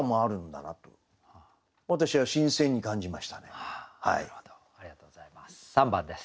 なるほどありがとうございます。